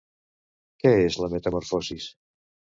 Què és Les Metamorfosis?